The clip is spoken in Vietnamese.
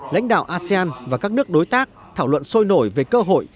lãnh đạo asean và các nước đối tác thảo luận sôi nổi về cơ hội